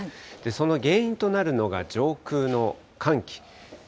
その原因となるのが上空の寒気。